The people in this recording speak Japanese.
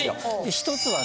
１つはね